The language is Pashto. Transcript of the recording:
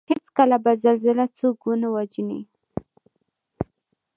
هېڅکله به زلزله څوک ونه وژني